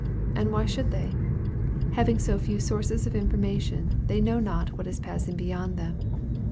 And why should they? Having so few sources of information, they know not what is passing beyond them.